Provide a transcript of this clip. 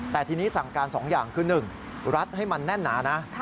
แต่ทีนี้สั่งการ๒อย่างคือ๑รัดให้มันแน่นหนานะ